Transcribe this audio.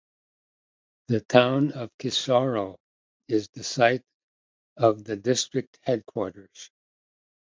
The town of Kisoro is the site of the district headquarters.